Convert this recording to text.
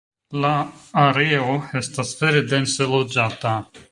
La areo estas vere dense loĝata.